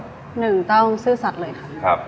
หนึ่งต้องซื่อสัตว์เลยค่ะ